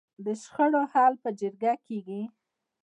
د شخړو حل په جرګه کیږي؟